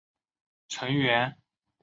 成员在此基础上组建政党宪友会。